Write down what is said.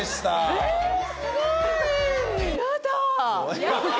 えっすごい！